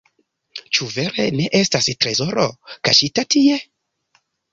Ĉu vere ne estas trezoro, kaŝita tie?